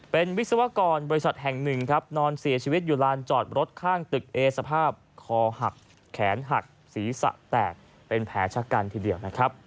เป็นวิศวกรบริษัทแห่งหนึ่งครับนอนเสียชีวิตอยู่ลานจอดรถข้างตึกเอสภาพคอหักแขนหักศีรษะแตกเป็นแผลชะกันทีเดียวนะครับ